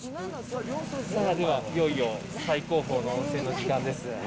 さあでは、いよいよ最高峰の温泉の時間です。